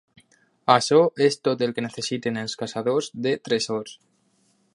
Açò és tot el que necessiten els caçadors de tresors.